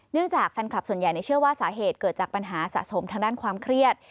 จากแฟนคลับส่วนใหญ่เชื่อว่าสาเหตุเกิดจากปัญหาสะสมทางด้านความเครียด